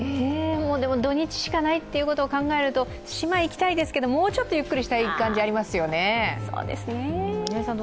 土日しかないっていうことを考えると島行きたいですけどもうちょっとゆっくりしたい感じ、ありますよね。